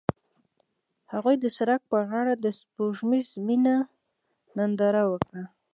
هغوی د سړک پر غاړه د سپوږمیز مینه ننداره وکړه.